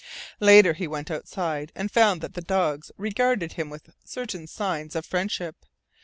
Later he went outside, and found that the dogs regarded him with certain signs of friendship.